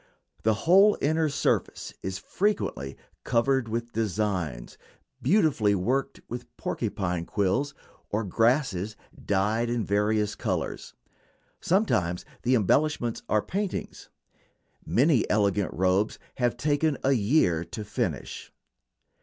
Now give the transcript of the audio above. The whole inner surface is frequently covered with designs beautifully worked with porcupine quills, or grasses dyed in various colors. Sometimes the embellishments are paintings. Many elegant robes have taken a year to finish.